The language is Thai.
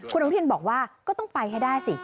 คุณอนุทินบอกว่าก็ต้องไปให้ได้สิ